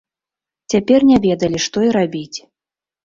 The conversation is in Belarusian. Цяпер не ведалі, што і рабіць.